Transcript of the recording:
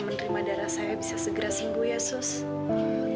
kamu akan segera sembuh sayang